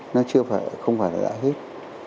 nó không phải là đã hết